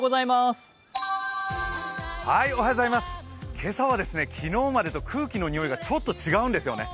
今朝は昨日までと空気のにおいがちょっと違うんですよね。